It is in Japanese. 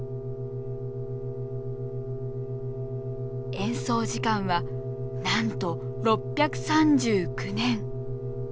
演奏時間はなんと６３９年。